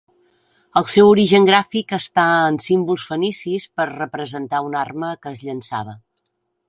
El seu origen gràfic està en símbols fenicis per representar una arma que es llençava.